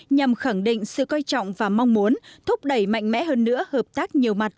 nhằm khẳng định sự coi trọng và mong muốn thúc đẩy mạnh mẽ hơn nữa hợp tác nhiều mặt